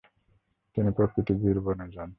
তিনি প্রকৃত বীর বনে যান।